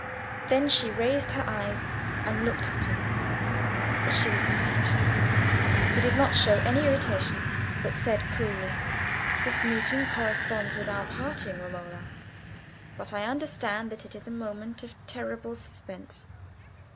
Then she raised her eyes and looked at him; but she was mute. He did not show any irritation, but said, coolly— "This meeting corresponds with our parting, Romola. But I understand that it is a moment of terrible suspense.